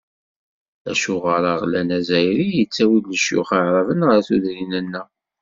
Acuɣer aɣlan azzayri yettawi-d lecyux aɛraben ɣer tudrin-nneɣ?